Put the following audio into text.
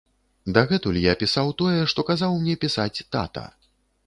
Дагэтуль я пісаў тое, што казаў мне пісаць тата.